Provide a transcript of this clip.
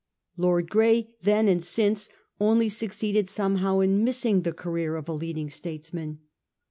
Lord Grey then and since only succeeded somehow in missing the career of a leading statesman.